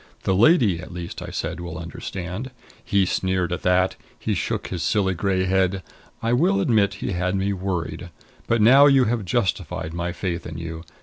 The lady at least, I said, will understand. He sneered at that. He shook his silly gray head. I will admit he had me worried. But now you have justified my faith in you.